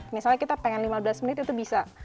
misalnya kita pengen lima belas menit itu bisa